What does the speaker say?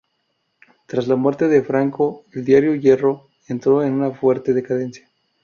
Tras la muerte de Franco, el diario "Hierro" entró en una fuerte decadencia.